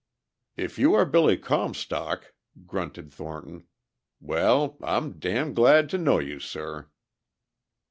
"If you are Billy Comstock," grunted Thornton, "well, I'm damn' glad to know you, sir!"